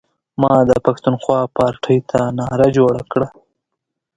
ما د پښتونخوا پارټۍ ته نعره جوړه کړه.